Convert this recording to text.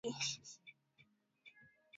ee vile vile nurdin bakari